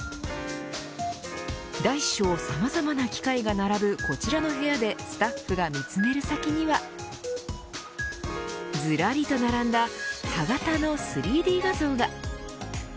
大小さまざまな機械が並ぶこちらの部屋でスタッフが見つめる先にはずらりと並んだ歯形の３Ｄ画像が。